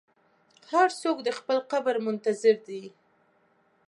هر څوک د خپل قبر منتظر دی.